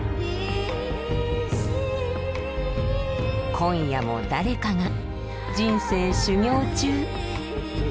今夜も誰かが人生修行中。